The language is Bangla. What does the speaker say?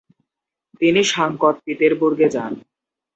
তিনি সাংকত পিতেরবুর্গে যান।